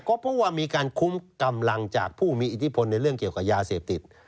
ก็เพราะว่ามีการคุ้มกำลังจากผู้มีอิทธิพลในเรื่องเกี่ยวกับยาเสพติด